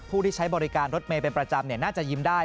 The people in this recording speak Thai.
ผู้ที่ใช้บริการรถเมย์เป็นประจำน่าจะยิ้มได้